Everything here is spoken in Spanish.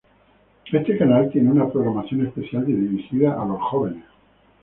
Este canal tiene una programación especialmente dirigida a jóvenes.